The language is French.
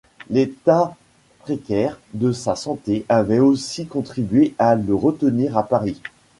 L'état précaire de sa santé avait aussi contribué à le retenir à Paris.